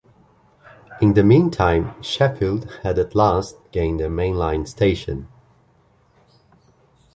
In the meantime Sheffield had at last gained a main-line station.